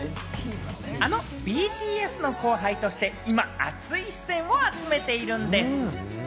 ＢＴＳの後輩として、今、熱い視線を集めているんです。